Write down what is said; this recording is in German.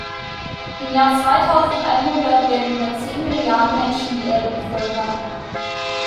Im Jahr zweitausendeinhundert werden über zehn Milliarden Menschen die Erde bevölkern.